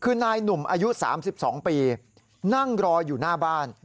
คือนายหนุ่มอายุ๓๒ปีนั่งรออยู่หน้าบ้าน